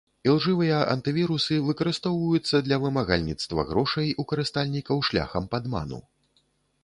Ілжывыя антывірусы выкарыстоўваюцца для вымагальніцтва грошай у карыстальнікаў шляхам падману.